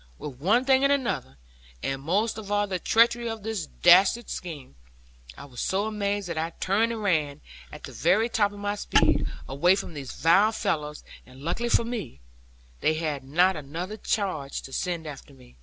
With one thing and another, and most of all the treachery of this dastard scheme, I was so amazed that I turned and ran, at the very top of my speed, away from these vile fellows; and luckily for me, they had not another charge to send after me.